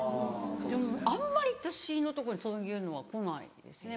でもあんまり私のとこにそういうのは来ないですねまだ。